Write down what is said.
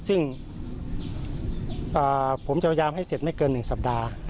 ซึ่งผมจะพยายามให้เสร็จไม่เกิน๑สัปดาห์